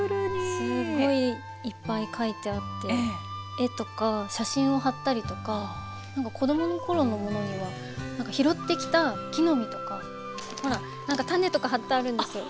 すごいいっぱい書いてあって絵とか写真を貼ったりとか子供の頃のものには拾ってきた木の実とかほらなんか種とか貼ってあるんですよ。